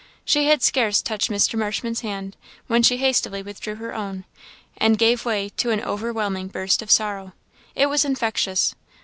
She had scarce touched Mr. Marshman's hand when she hastily withdrew her own, and gave way to an overwhelming burst of sorrow. It was infectious.